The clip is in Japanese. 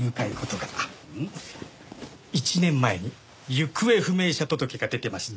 １年前に行方不明者届が出てました。